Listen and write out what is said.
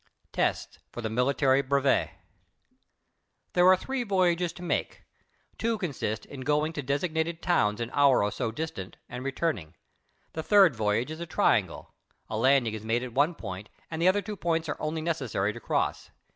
TESTS FOR THE MILITARY BREVET There are three voyages to make. Two consist in going to designated towns an hour or so distant and returning. The third voyage is a triangle. A landing is made at one point and the other two points are only necessary to cross.